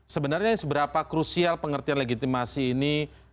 sebenarnya seberapa krusial pengertian legitimasi ini